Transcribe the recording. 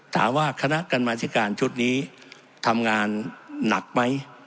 ถามว่าคณะกรรมาธิการชุดนี้ทำงานหนักไหม